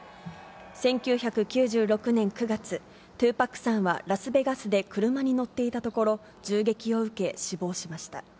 １９９６年９月、２パックさんは、ラスベガスで車に乗っていたところ、銃撃を受け、死亡しました。